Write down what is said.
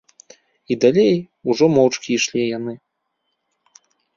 І далей ужо моўчкі ішлі яны.